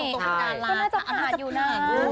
ก็น่าจะผ่านอยู่นะ